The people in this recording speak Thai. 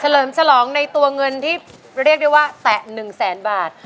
เลิมฉลองในตัวเงินที่เรียกได้ว่าแตะ๑แสนบาท